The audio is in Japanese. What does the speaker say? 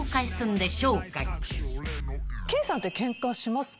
ケイさんってケンカしますか？